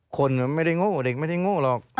คนไม่ได้โง่เด็กไม่ได้โง่หรอก